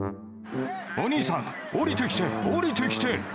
お兄さん、下りてきて、下りてきて。